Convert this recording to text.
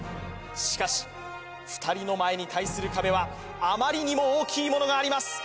しかし２人の前に対する壁はあまりにも大きいものがあります